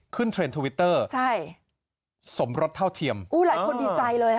เทรนด์ทวิตเตอร์ใช่สมรสเท่าเทียมอู้หลายคนดีใจเลยค่ะ